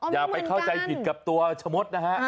อย่าไปเข้าใจผิดกับตัวชะมดนะฮะ